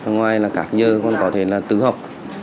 ngoài là các giờ còn có thể là tứ học